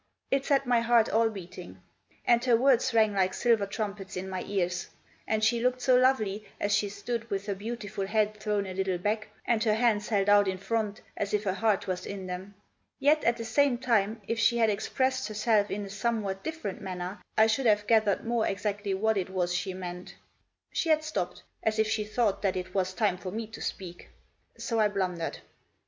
It set my heart all beating. And her words rang like silver trumpets in my ears. And she looked so lovely as she stood with her beautiful head thrown a little back, and her hands held out in front as if her heart was in them. Yet, at the same time, if she had expressed herself in a somewhat different manner, I should have gathered more exactly what it was she meant. She had stopped, as if she thought that it was time for me to speak. So I blundered.